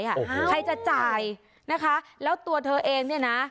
ใครจะจ่ายนะคะแล้วตัวเธอเองเนี่ยนะ